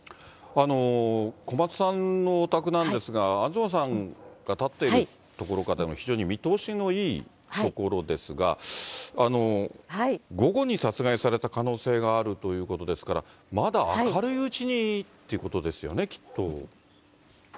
小松さんのお宅なんですが、東さんが立っている所からでも、非常に見通しのいい所ですが、午後に殺害された可能性があるということですから、まだ明るいうちそうです。